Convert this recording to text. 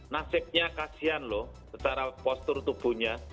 nasibnya kasian loh secara postur tubuhnya